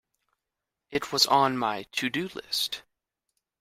It was on my to-do list.